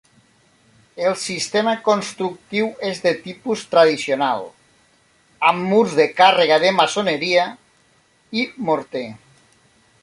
El sistema constructiu és de tipus tradicional amb murs de càrrega de maçoneria i morter.